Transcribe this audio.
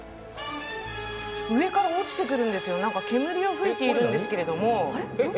上から落ちてくるんですよ、なんか煙を噴いているんですけど。